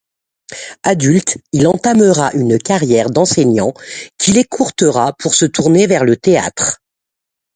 Adulte, il entamera une carrière d’enseignant qu’il écourtera pour se tourner vers le théâtre.